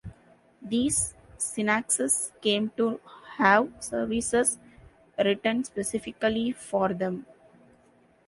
These synaxes came to have services written specifically for them.